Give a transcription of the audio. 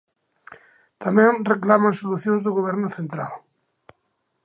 Tamén reclaman solucións do Goberno central.